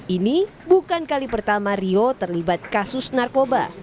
ini bukan kali pertama rio terlibat kasus narkoba